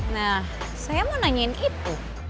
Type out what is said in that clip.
nah saya mau nanyain itu